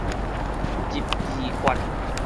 入字法